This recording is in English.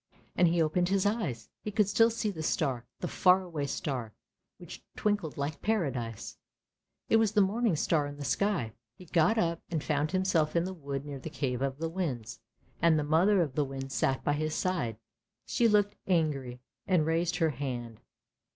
" And he opened his eyes; he could still see the star, the far away star, which twinkled like Paradise; it was the morning star in the sky. He got up and found himself in the wood near the cave of the winds, and the mother of the winds sat by his side. She looked angry and raised her hand.